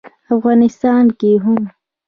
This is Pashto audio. افغانستان کې هم